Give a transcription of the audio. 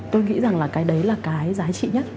tôi nghĩ rằng là cái đấy là cái giá trị nhất